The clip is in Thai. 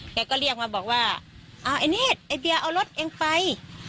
แกก็เรียกมาบอกว่าเอาไอ้นี่ไอ้เบียร์เอารถเองไป